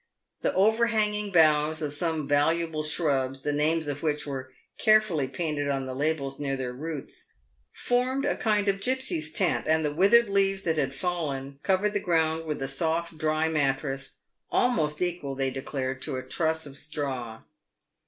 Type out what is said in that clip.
The overhanging boughs of some valuable shrubs, the names of which were carefully painted on the labels near their roots, formed a kind of gipsy's tent, and the withered leaves that had fallen covered the ground with a soft, dry mattress, almost equal, they declared, to a truss of straw.